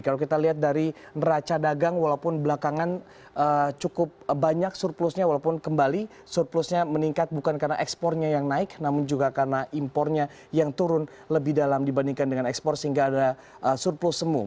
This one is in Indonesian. kalau kita lihat dari neraca dagang walaupun belakangan cukup banyak surplusnya walaupun kembali surplusnya meningkat bukan karena ekspornya yang naik namun juga karena impornya yang turun lebih dalam dibandingkan dengan ekspor sehingga ada surplus semu